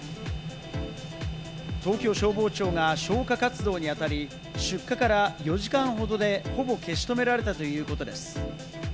東京消防庁が消火活動にあたり、出火から４時間ほどでほぼ消し止められたということです。